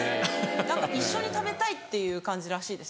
何か一緒に食べたいっていう感じらしいですよ。